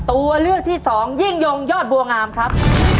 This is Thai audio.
ตัวเลือกที่สองยิ่งยงยอดบัวงามครับ